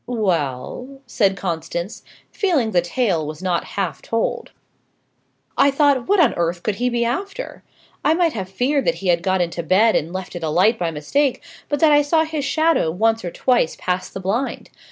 "Well," said Constance, feeling the tale was not half told. "I thought, what on earth could he be after? I might have feared that he had got into bed and left it alight by mistake, but that I saw his shadow once or twice pass the blind.